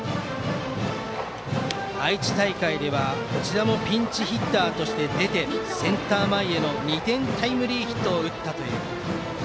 愛知大会ではピンチヒッターとして出てセンター前への２点タイムリーヒットを打ったという。